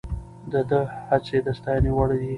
د ده هڅې د ستاینې وړ دي.